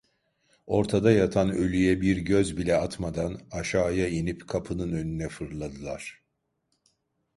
Ortada yatan ölüye bir göz bile atmadan aşağıya inip kapının önüne fırladılar.